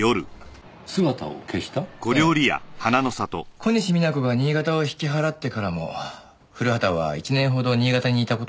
小西皆子が新潟を引き払ってからも古畑は１年ほど新潟にいた事が確認されています。